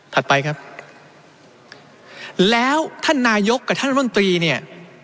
ไปครับแล้วท่านนายกกับท่านรัฐมนตรีเนี่ย